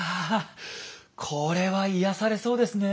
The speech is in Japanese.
これは癒やされそうですねえ。